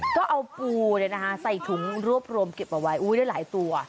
ก็เอาปูใส่ถุงรวบรวมเก็บเอาไว้ได้หลายตัว